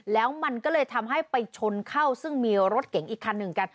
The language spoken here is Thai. แล้วมันก็เลยทำให้ไปชนเข้าซึ่งมีรถเก๋งอีกคันหนึ่งกัน